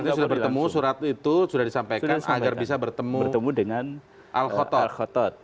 artinya sudah bertemu surat itu sudah disampaikan agar bisa bertemu dengan al khotol